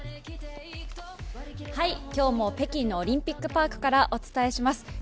今日も北京のオリンピックパークからお伝えします。